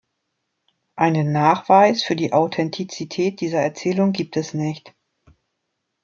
Einen Nachweis für die Authentizität dieser Erzählung gibt es nicht.